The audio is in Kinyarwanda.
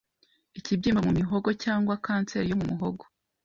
Ikibyimba mu mihogo cyangwa kanseri yo mu muhogo